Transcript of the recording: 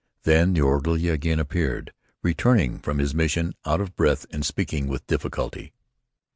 Then the orderly again appeared, returning from his mission, out of breath and speaking with difficulty.